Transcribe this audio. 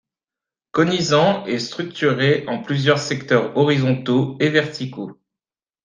Cognizant est structuré en plusieurs secteurs horizontaux et verticaux.